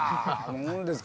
何ですか？